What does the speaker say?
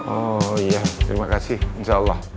oh iya terima kasih insya allah